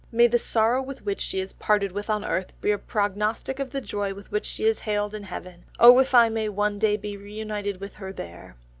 May the sorrow with which she is parted with on earth be a prognostic of the joy with which she is hailed in heaven!... Oh, if I may one day be reunited to her there!"